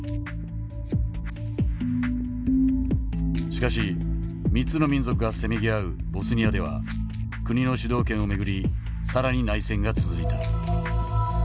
しかし３つの民族がせめぎ合うボスニアでは国の主導権を巡り更に内戦が続いた。